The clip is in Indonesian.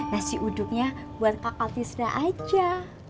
nasi uduknya buat kakak tisda aja